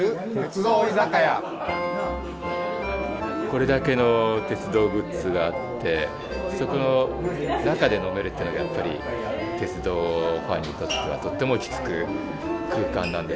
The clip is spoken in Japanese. これだけの鉄道グッズがあってそこ中で飲めるっていうのはやっぱり鉄道ファンにとってはとっても落ち着く空間なんですよね。